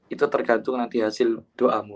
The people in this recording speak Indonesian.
itu tergantung nanti hasil doamu